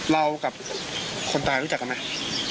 เรากับคนตายรู้จักกันไหม